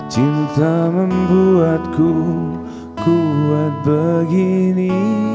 cinta membuatku kuat begini